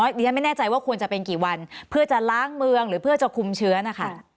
ดิฉันไม่แน่ใจว่าควรจะเป็นกี่วันเพื่อจะล้างเมืองหรือเพื่อจะคุมเชื้อนะคะ